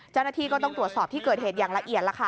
เจ้าหน้าที่ก็ต้องตรวจสอบที่เกิดเหตุอย่างละเอียดแล้วค่ะ